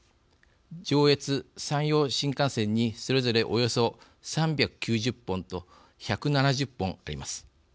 上越、山陽新幹線にそれぞれ、およそ３９０本と１７０本あります。